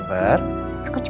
bagaimana dengan lu